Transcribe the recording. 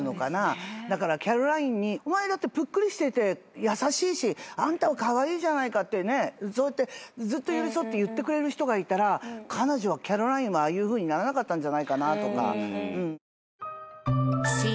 だからキャロラインにお前だってぷっくりしてて優しいしあんたはカワイイじゃないかってずっと寄り添って言ってくれる人がいたらキャロラインはああいうふうにならなかったんじゃないかな。